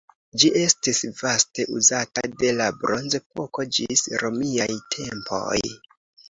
Ĝi estis vaste uzata de la bronzepoko ĝis romiaj tempoj.